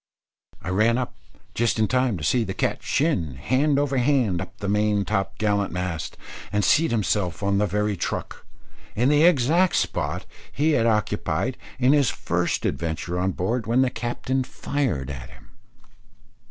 I ran up just in time to see the cat shin hand over hand up the main top gallant mast, and seat himself on the very truck, in the exact spot he had occupied in his first adventure on board, when the captain fired at him.